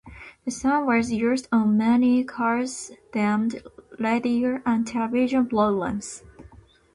The song was used on many Cubs-themed radio and television programs.